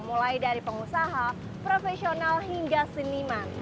mulai dari pengusaha profesional hingga seniman